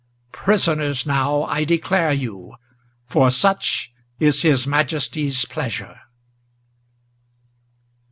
Prisoners now I declare you; for such is his Majesty's pleasure!"